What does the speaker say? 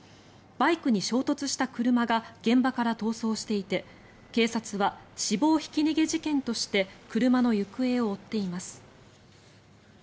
バイクに衝突した車が現場から逃走していて警察は死亡ひき逃げ事件として車の行方を追っています。